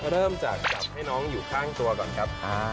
เริ่มจากจับให้น้องอยู่ข้างตัวก่อนครับ